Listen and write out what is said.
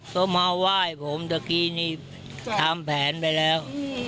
ก็มาไหว้ผมตะกี้นี่ทำแผนไปแล้ว